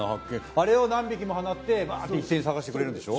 あれを何匹も放ってバッて一斉に捜してくれるんでしょ？